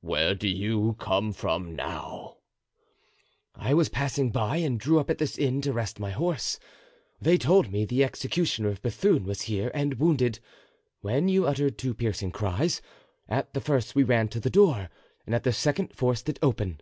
"Where do you come from now?" "I was passing by and drew up at this inn to rest my horse. They told me the executioner of Bethune was here and wounded, when you uttered two piercing cries. At the first we ran to the door and at the second forced it open."